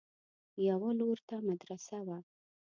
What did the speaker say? يوه لور ته مدرسه وه.